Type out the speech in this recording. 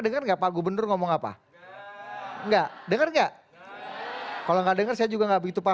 denger gak pak gubernur ngomong apa enggak denger nggak kalau nggak denger saya juga nggak begitu